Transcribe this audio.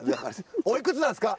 おいくつなんですか？